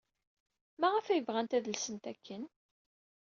Maɣef ay bɣant ad lsent akken?